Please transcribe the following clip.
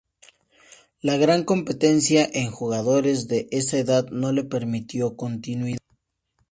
La gran competencia en jugadores de esa edad no le permitió continuidad.